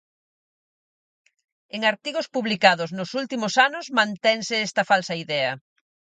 En artigos publicados nos últimos anos mantense esta falsa idea.